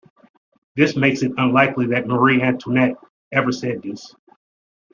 This makes it unlikely that Marie-Antoinette ever said this.